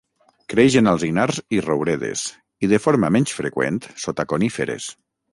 Creix en alzinars i rouredes, i de forma menys freqüent sota coníferes.